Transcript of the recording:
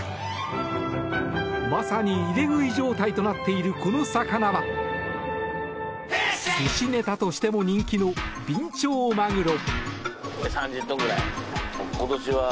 まさに入れ食い状態となっているこの魚は寿司ネタとしても人気のビンチョウマグロ。